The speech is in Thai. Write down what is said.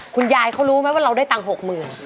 คุณยายเค้ารู้มั้ยว่าเราได้ตังค์หกหมื่น